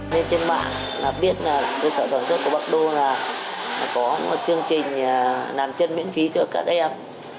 nên trên bảng là biết là cơ sở sản xuất của bác đô là có một chương trình làm chân miễn phí cho các em